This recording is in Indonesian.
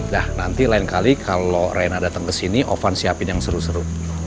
nah nanti lain kali kalau rena datang ke sini ovan siapin yang seru seru